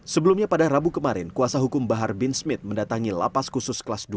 sebelumnya pada rabu kemarin kuasa hukum bahar bin smith mendatangi lapas khusus kelas dua